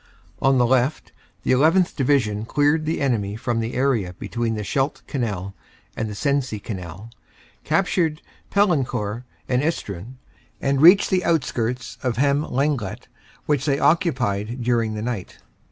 "On the left, the 1 1th. Division cleared the enemy from the area between the Scheldt Canal and the Sensee Canal, captured Paillencourt and Estrun, and reached the outskirts of Hem Lenglet, which they occupied during the night.